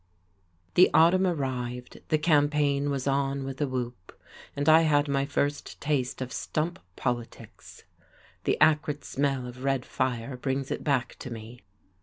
The autumn arrived, the campaign was on with a whoop, and I had my first taste of "stump" politics. The acrid smell of red fire brings it back to me.